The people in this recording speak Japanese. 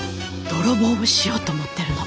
泥棒をしようと思ってるの。